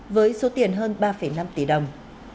với số tiền hơn ba năm tỷ đồng